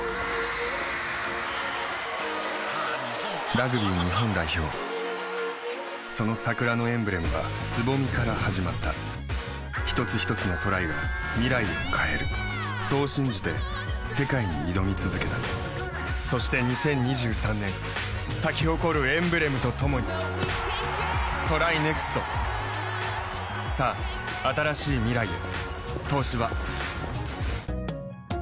・ラグビー日本代表その桜のエンブレムは蕾から始まった一つひとつのトライが未来を変えるそう信じて世界に挑み続けたそして２０２３年咲き誇るエンブレムとともにＴＲＹＮＥＸＴさあ、新しい未来へ。